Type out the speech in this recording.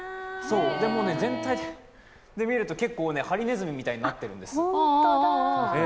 もう、全体で見ると結構はりねずみみたいになってるんです。